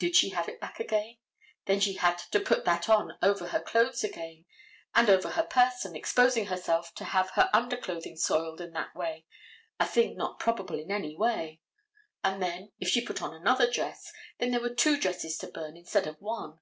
Did she have it back again? Then she had to put that on over her clothes again, and over her person, exposing herself to have her underclothing soiled in that way, a thing not probable in any way. And then, if she put on another dress, then there were two dresses to burn instead of one.